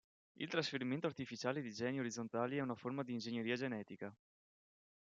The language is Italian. Il trasferimento artificiale di geni orizzontali è una forma di ingegneria genetica.